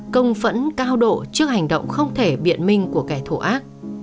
công phẫn cao độ trước hành động không thể biện minh của kẻ thù ác